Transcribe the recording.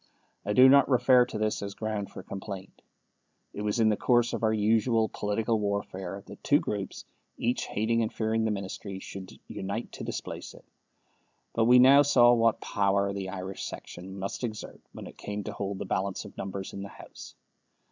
I do not refer to this as ground for complaint. It was in the course of our usual political warfare that two groups, each hating and fearing the Ministry, should unite to displace it. But we now saw what power the Irish section must exert when it came to hold the balance of numbers in the House.